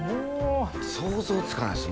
想像つかないです